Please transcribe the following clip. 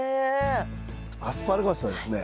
アスパラガスはですね